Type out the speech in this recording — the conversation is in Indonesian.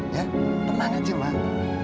ya tenang aja mah